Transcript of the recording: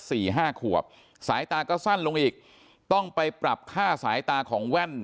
สี่ห้าขวบสายตาก็สั้นลงอีกต้องไปปรับค่าสายตาของแว่น